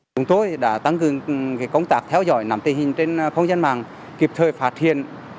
chúng tôi đã tăng cường công tác theo dõi nằm tình hình trên không gian mạng kịp thời phạt thiền